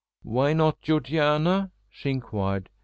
"Why not Georgiana?" she inquired.